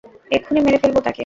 এক্ষুণি মেরে ফেলবো তাকে!